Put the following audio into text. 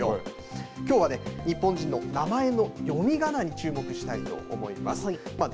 きょうはね、日本人の名前の読みがなに注目したいと思います。